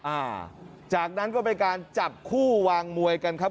อ่าจากนั้นก็เป็นการจับคู่วางมวยกันครับ